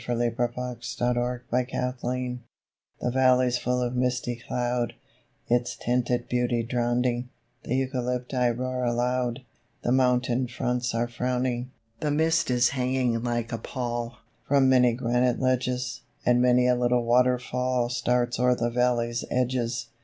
_ RAIN IN THE MOUNTAINS The valley's full of misty cloud, Its tinted beauty drowning, The Eucalypti roar aloud, The mountain fronts are frowning. The mist is hanging like a pall From many granite ledges, And many a little waterfall Starts o'er the valley's edges.